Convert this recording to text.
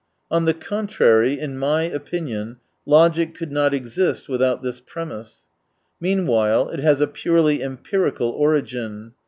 On the contrary, in my opinion, logic could not exist without this premiss. Meanwhile it has a purely empirical origin.